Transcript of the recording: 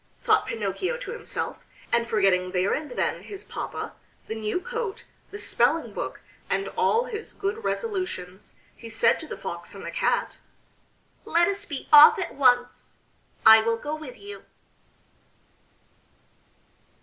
thought Pinocchio to himself; and forgetting there and then his papa, the new coat, the spelling book, and all his good resolutions, he said to the Fox and the Cat: "Let us be off at once. I will go with you."